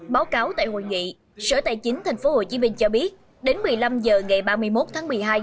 báo cáo tại hội nghị sở tài chính tp hcm cho biết đến một mươi năm h ngày ba mươi một tháng một mươi hai